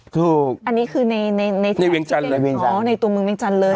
ถูกอันนี้คือในในเมืองจันทร์ในเมืองจันทร์อ๋อในตัวกรรมเมืองจันทร์เลย